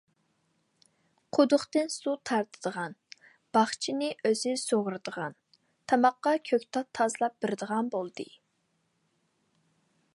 قۇدۇقتىن سۇ تارتىدىغان، باغچىنى ئۆزى سۇغىرىدىغان، تاماققا كۆكتات تازىلاپ بېرىدىغان بولدى.